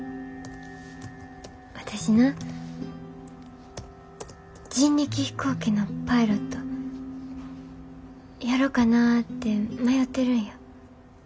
私な人力飛行機のパイロットやろかなて迷てるんや。